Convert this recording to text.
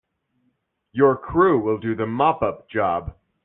Your crew will do the mop up job.